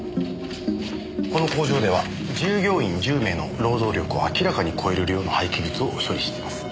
この工場では従業員１０名の労働力を明らかに超える量の廃棄物を処理しています。